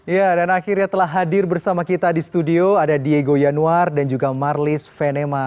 ya dan akhirnya telah hadir bersama kita di studio ada diego yanuar dan juga marlis venema